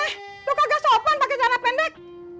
eh lo kagak sopan pake sana pendek